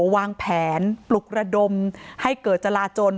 วางแผนปลุกระดมให้เกิดจราจน